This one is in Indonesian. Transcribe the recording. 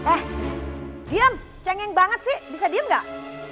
eh diam cengeng banget sih bisa diem gak